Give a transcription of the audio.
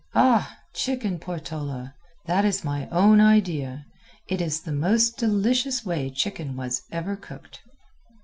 "Ah! Chicken Portola. That is my own idea. It is the most delicious way chicken was ever cooked."